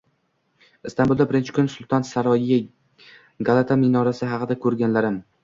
Istanbulda birinchi kun: Sulton saroyi, Galata minorasi haqida ko‘rganlarim